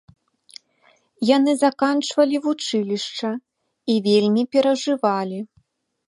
Яны заканчвалі вучылішча і вельмі перажывалі.